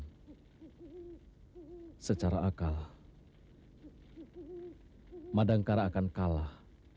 dan secara akal madangkara akan kalah